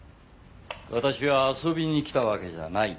私は遊びに来たわけじゃない。